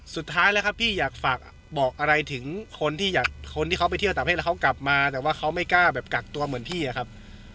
สุดท้ายแล้วครับพี่อยากฝากบอกอะไรถึงคนที่อยากคนที่เขาไปเที่ยวต่างประเทศแล้วเขากลับมาแต่ว่าเขาไม่กล้าแบบกักตัวเหมือนพี่อะครับ